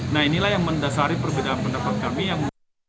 nah inilah yang mendasari perbedaan pendapat kami yang